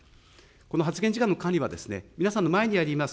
この発言時間の管理は、皆さんの前にあります